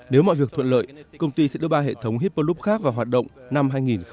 nếu mọi việc thuận lợi công ty sẽ đưa ba hệ thống hiperloop khác vào hoạt động năm hai nghìn hai mươi